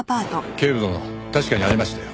警部殿確かにありましたよ。